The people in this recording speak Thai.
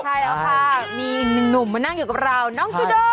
ใช่แล้วค่ะมีอีกหนึ่งหนุ่มมานั่งอยู่กับเราน้องจูโด